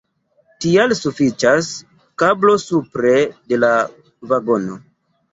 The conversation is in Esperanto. Tial sufiĉas kablo supre de la vagono.